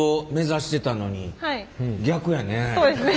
そうですね